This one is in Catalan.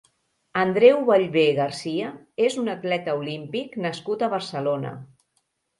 Andreu Ballbé Garcia és un atleta olímpic nascut a Barcelona.